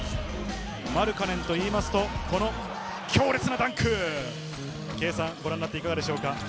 マルカネンといいますと、この強烈なダンク、圭さん、いかがでしょうか？